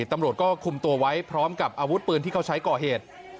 ตำรวจก็คุมตัวไว้พร้อมกับอาวุธปืนที่เขาใช้ก่อเหตุ